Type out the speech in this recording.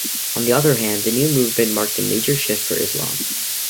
On the other hand, the new movement marked a major shift for Islam.